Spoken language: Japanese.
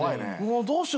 どうしよう？